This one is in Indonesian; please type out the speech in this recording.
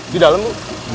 di dalam bu